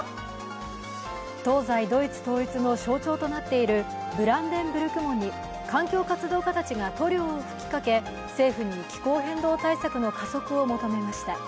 東西ドイツ統一の象徴となっているブランデンブルク門に環境活動家たちが塗料を吹きかけ政府に気候変動対策の加速を求めました。